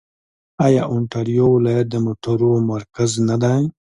آیا اونټاریو ولایت د موټرو مرکز نه دی؟